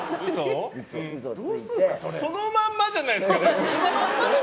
そのままじゃないですか！